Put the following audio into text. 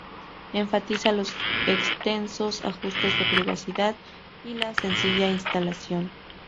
Enfatiza los extensos ajustes de privacidad, y la sencilla instalación.